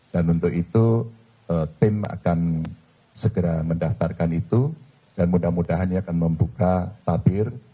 dan untuk itu tim akan segera mendaftarkan itu dan mudah mudahan ia akan membuka tabir